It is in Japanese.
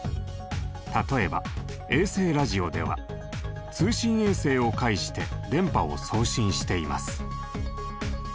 例えば衛星ラジオでは通信衛星を介して電波を送信しています。